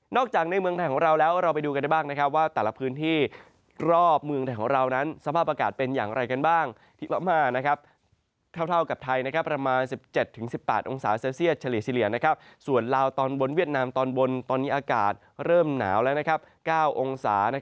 นอกจากในเมืองแถ่งของเราแล้วเราไปดูกันได้บ้างนะครับว่าแต่ละพื้นที่รอบเมืองแถ่งของเรานั้นสภาพอากาศเป็นอย่างไรกันบ้าง